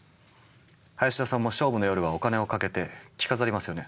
林田さんも勝負の夜はお金をかけて着飾りますよね？